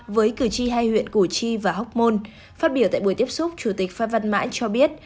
với cử tri hai huyện củ chi và hóc môn phát biểu tại buổi tiếp xúc chủ tịch phan văn mãi cho biết